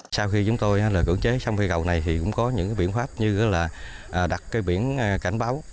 sau khi chúng tôi cưỡng chế xong cây cầu này thì cũng có những biện pháp như là đặt cái biển cảnh báo